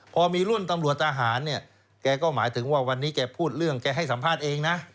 พอมีรุ่นตำรวจทหารเนี่ยแกก็หมายถึงว่าวันนี้แกพูดเรื่องแกให้สัมภาษณ์เองนะ